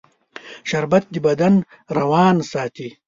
شربت د بدن روان ساتي